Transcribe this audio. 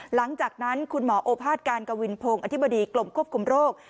หลังจากนั้นคุณหมอโอภาษการกวินพงศ์อธิบดีกรมควบคุมโรค